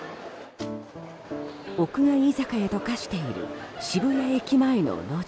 屋外居酒屋と化している渋谷駅前の路地。